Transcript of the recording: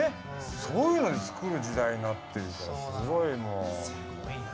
そういうので作る時代になってるからすごいもう。